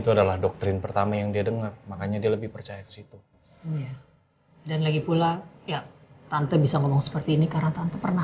ada hal yang masih bikin dia kecewa